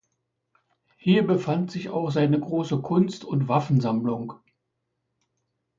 Hier befand sich auch seine große Kunst- und Waffensammlung.